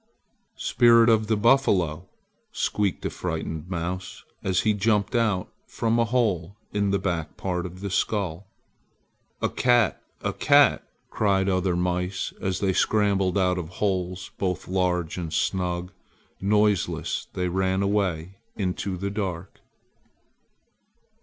"Spirit of the buffalo!" squeaked a frightened mouse as he jumped out from a hole in the back part of the skull. "A cat! a cat!" cried other mice as they scrambled out of holes both large and snug. Noiseless they ran away into the dark.